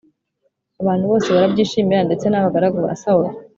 abantu bose barabyishimira ndetse n’abagaragu ba Sawuli.